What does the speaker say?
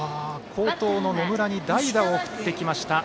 好投の野村に代打を送ってきました。